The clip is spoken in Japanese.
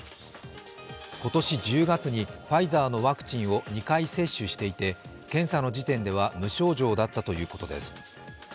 今年１０月にファイザーのワクチンを２回接種していて、検査の時点では無症状だったということです。